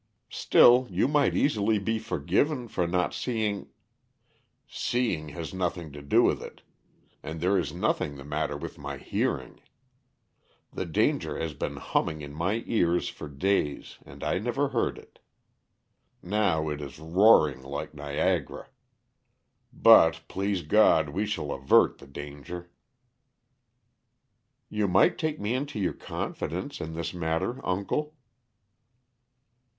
"Still, you might easily be forgiven for not seeing " "Seeing has nothing to do with it. And there is nothing the matter with my hearing. The danger has been humming in my ears for days and I never heard it. Now it is roaring like Niagara. But, please God, we shall avert the danger." "You might take me into your confidence, in this matter, uncle."